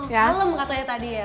kalem katanya tadi ya